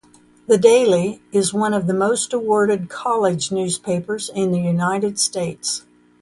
"The Daily" is one of the most awarded college newspapers in the United States.